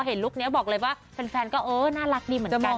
เห็นลูกนี้บอกเลยว่าแฟนก็น่ารักดีเหมือนกันนะคะ